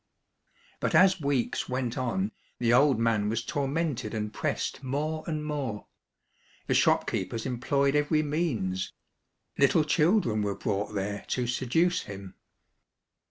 But as weeks went on the old man was tor mented and pressed more and more. The shop keepers employed every means. Little children were brought there to seduce him.